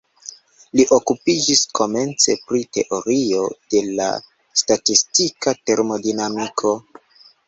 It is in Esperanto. Li okupiĝis komence pri teorio de la statistika termodinamiko.